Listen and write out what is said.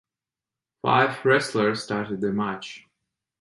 Five wrestlers started the match.